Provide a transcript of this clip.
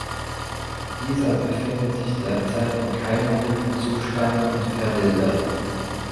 Dieser befindet sich derzeit in keinem guten Zustand und verwildert.